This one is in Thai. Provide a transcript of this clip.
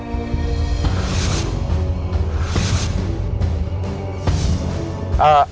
ใช่ใช่